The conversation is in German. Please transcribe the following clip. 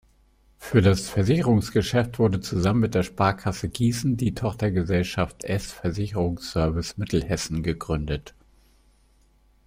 Für das Versicherungsgeschäft wurde zusammen mit der Sparkasse Gießen die Tochtergesellschaft „S-Versicherungsservice Mittelhessen“ gegründet.